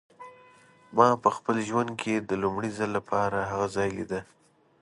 ما په خپل ژوند کې د لومړي ځل لپاره هغه ځای لیده.